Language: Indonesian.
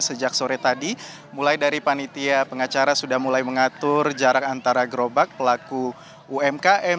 sejak sore tadi mulai dari panitia pengacara sudah mulai mengatur jarak antara gerobak pelaku umkm